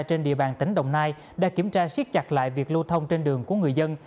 trên địa bàn tỉnh đồng nai đã kiểm tra siết chặt lại việc lưu thông trên đường của người dân